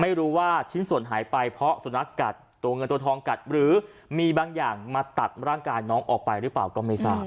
ไม่รู้ว่าชิ้นส่วนหายไปเพราะสุนัขกัดตัวเงินตัวทองกัดหรือมีบางอย่างมาตัดร่างกายน้องออกไปหรือเปล่าก็ไม่ทราบ